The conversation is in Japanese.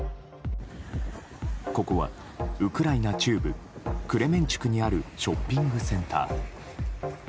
ここは、ウクライナ中部クレメンチュクにあるショッピングセンター。